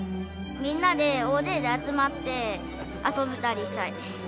みんなで大勢で集まって遊んだりしたい。